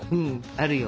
あるよ。